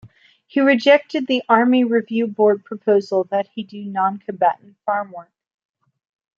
He rejected the Army Review Board proposal that he do noncombatant farm work.